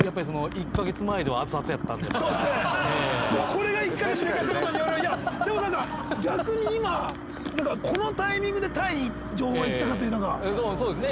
これが１か月寝かしたことによるいやでもなんか逆に今このタイミングでタイに情報がいったかというのが。そうですね。